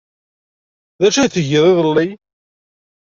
D acu ay tgiḍ iḍelli?